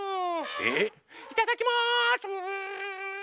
えっ⁉いただきます！